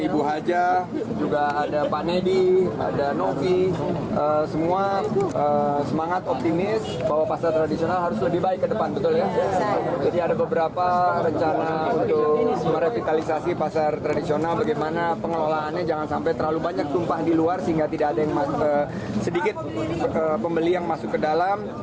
bagaimana pengelolaannya jangan sampai terlalu banyak tumpah di luar sehingga tidak ada yang masuk sedikit pembeli yang masuk ke dalam